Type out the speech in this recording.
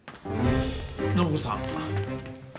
暢子さん。